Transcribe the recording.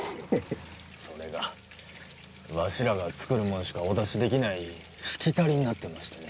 それがわしらが作るもんしかお出しできないしきたりなんです